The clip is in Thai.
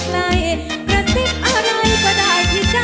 กระสิบอะไรก็ได้ที่ใจรึกจะ